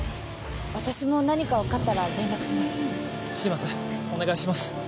私も何か分かったら連絡します。